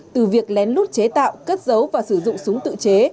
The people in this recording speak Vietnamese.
từ việc lén lút chế tạo cất giấu và sử dụng súng tự chế